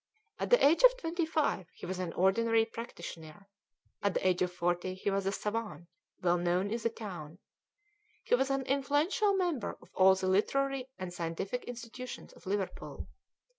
At the age of twenty five he was an ordinary practitioner; at the age of forty he was a savant, well known in the town; he was an influential member of all the literary and scientific institutions of Liverpool.